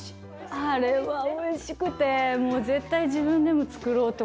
あれはおいしくてもう絶対自分でも作ろうと思いました。